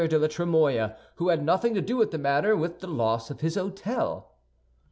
de la Trémouille, who had nothing to do with the matter, with the loss of his hôtel.